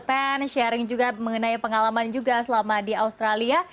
berbagi juga mengenai pengalaman juga selama di australia